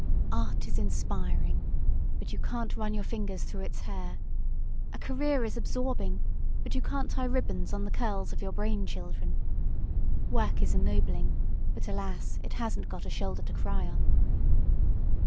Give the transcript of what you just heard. Art is inspiring, but you can't run your fingers through its hair; a career is absorbing, but you can't tie ribbons on the curls of your brain children; work is ennobling, but, alas, it hasn't got a shoulder to cry on!